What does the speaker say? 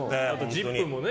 「ＺＩＰ！」もね